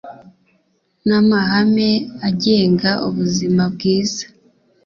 namahame agenga ubuzima bwiza